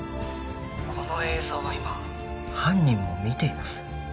この映像は今犯人も見ています